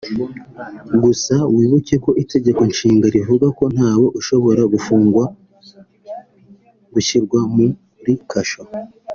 Gusa wibuke ko Itegeko Nshinga rivuga ko ntawe ushobora gufungwa (gushyirwa muri kasho